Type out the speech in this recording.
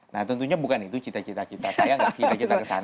nah tentunya bukan itu cita cita kita saya gak cita cita ke sana